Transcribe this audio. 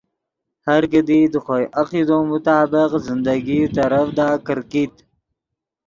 ہر کیدی دے خوئے عقیدو مطابق زندگی ترڤدا کرکیت